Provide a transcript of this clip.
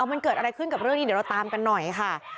มันเกิดอะไรขึ้นกับเรื่องนี้เดี๋ยวเราตามกันหน่อยค่ะ